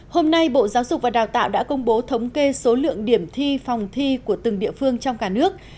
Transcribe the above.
hôm nay bộ giáo dục và đào tạo đã công bố thống kê số lượng điểm thi phòng thi của từng địa phương trong cả nước